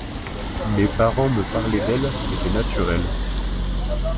Mes parents me parlaient d’elle, c’était naturel.